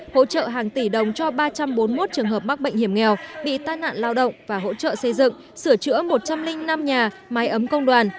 hỗ trợ hàng tỷ đồng cho ba trăm bốn mươi một trường hợp mắc bệnh hiểm nghèo bị tai nạn lao động và hỗ trợ xây dựng sửa chữa một trăm linh năm nhà máy ấm công đoàn